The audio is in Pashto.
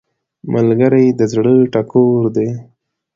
ملګری د زړه ټکور دی